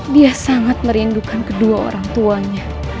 dia sangat merindukan kedua orang tuanya